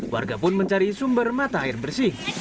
warga pun mencari sumber mata air bersih